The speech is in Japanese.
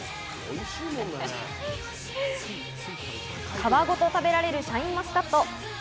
皮ごと食べられるシャインマスカット。